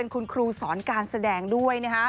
คุณครูสอนการแสดงด้วยนะฮะ